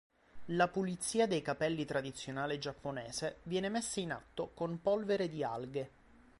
La pulizia dei capelli tradizionale giapponese viene messa in atto con polvere di alghe.